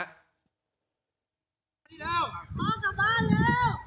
มากลับบ้านเร็ว